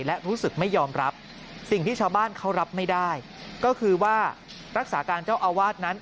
และรู้สึกไม่ยอมรับสิ่งที่ชาวบ้านเขารับไม่ได้ก็คือว่ารักษาการเจ้าอาวาสนั้น